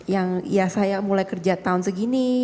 yang ya saya mulai kerja tahun segini